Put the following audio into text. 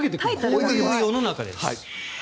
こういう世の中です。